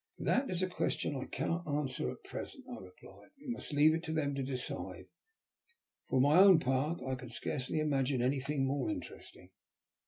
"That is a question I cannot answer at present," I replied. "We must leave it to them to decide. For my own part, I can scarcely imagine anything more interesting."